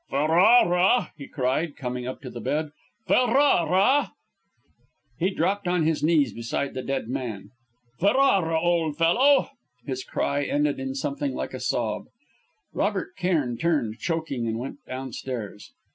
"Ferrara!" he cried, coming up to the bed. "Ferrara!" He dropped on his knees beside the dead man. "Ferrara, old fellow " His cry ended in something like a sob. Robert Cairn turned, choking, and went downstairs.